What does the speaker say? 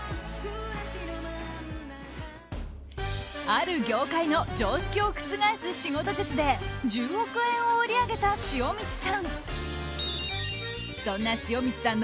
ある業界の常識を覆す仕事術で１０億円を売り上げた塩満さん。